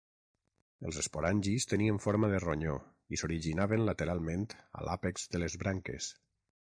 Els esporangis tenien forma de ronyó i s'originaven lateralment a l'àpex de les branques.